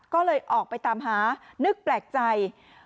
ก็เลยออกไปตามหานึกแปลกใจ